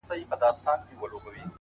سړي راوستی ښکاري تر خپله کوره,